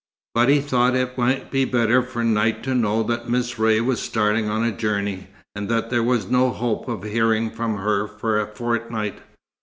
But he had thought it might be better for Knight to know that Miss Ray was starting on a journey, and that there was no hope of hearing from her for a fortnight.